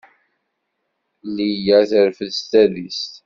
Liya terfed s tadist.